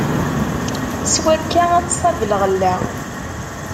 S wakka, ad tṣab lɣella.